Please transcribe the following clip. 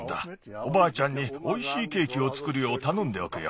おばあちゃんにおいしいケーキをつくるようたのんでおくよ。